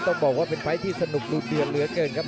ต้องบอกว่าเป็นไฟล์ที่สนุกดูดเดือดเหลือเกินครับ